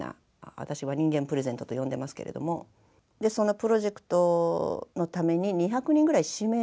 私は人間プレゼントと呼んでますけれどもそのプロジェクトのために２００人ぐらい指名されるんですね。